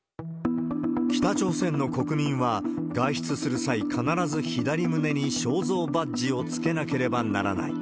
北朝鮮の国民は、外出する際、必ず左胸に肖像バッジをつけなければならない。